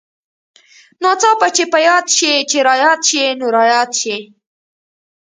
ناڅاپه چې په ياد شې چې راياد شې نو راياد شې.